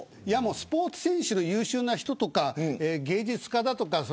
スポーツ選手の優秀な人とか芸術家だとか。